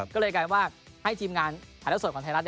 ก็เลยกลายเป็นว่าให้ทีมงานไทยรัฐสดของไทยรัฐ